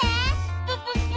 プププ！